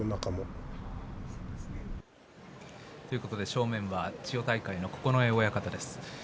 正面は千代大海の九重親方です。